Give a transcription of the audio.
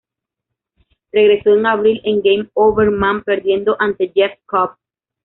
Regresó en abril en Game Over, Man, perdiendo ante Jeff Cobb.